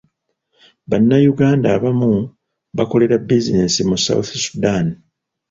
Bannayuganda abamu bakolera bizinensi mu south sudan.